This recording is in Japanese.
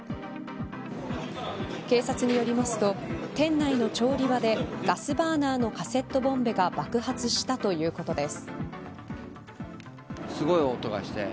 警察によりますと店内の調理場でガスバーナーのカセットボンベが爆発したということです。